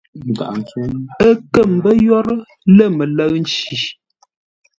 Ə́ kə́ mbə́ yórə́ lə̂ mələ̂ʉ nci.